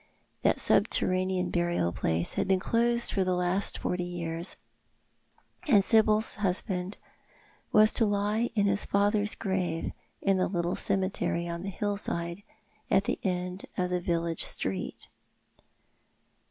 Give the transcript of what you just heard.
That subterranean burial place had been closed for the last forty years, and Sibyl's husband was to lie in his father's grave in the little cemetery on tho hillside, at tho end of the village street.